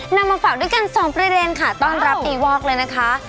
มาฝากด้วยกันสองประเด็นค่ะต้อนรับดีวอกเลยนะคะ